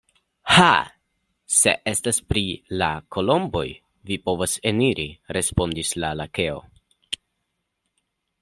Ha! se estas pri la kolomboj vi povas eniri, respondis la lakeo.